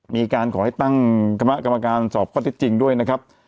มีการขอให้ตั้งกรรมกรรมการสอบก็ได้จริงด้วยนะครับ